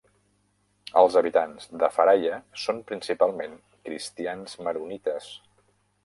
Els habitants de Faraya són principalment cristians maronites.